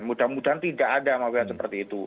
mudah mudahan tidak ada mafia seperti itu